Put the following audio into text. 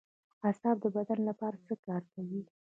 اعصاب د بدن لپاره څه کار کوي